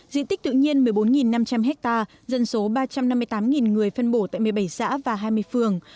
diện tích tự nhiên một mươi bốn năm trăm linh ha dân số ba trăm năm mươi tám người phân bổ tại một mươi bảy xã và hai mươi phường